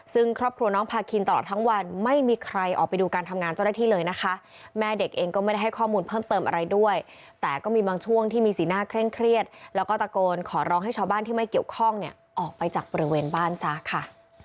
ซึ่งครอบครัวน้องพาคินตลอดทั้งวันไม่มีใครออกไปดูการทำงานเจ้าหน้าที่เลยนะคะแม่เด็กเองก็ไม่ได้ให้ข้อมูลเพิ่มเติมอะไรด้วยแต่ก็มีบางช่วงที่มีสีหน้าเคร่งเครียดแล้วก็ตะโกนขอร้องให้ชาวบ้านที่ไม่เกี่ยวข้องเนี่ยออกไปจากบริเวณบ้านซะค่ะ